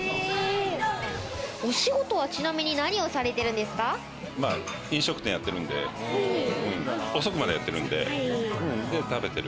お仕事は飲食店やってるんで、遅くまでやってるんで、食べてる。